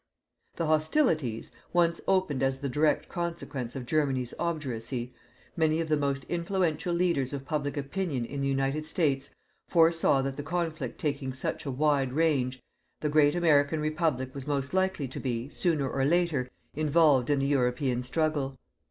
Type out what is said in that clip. The hostilities, once opened as the direct consequence of Germany's obduracy, many of the most influential leaders of public opinion in the United States foresaw that the conflict taking such a wide range, the great American Republic was most likely to be, sooner or later, involved in the European struggle.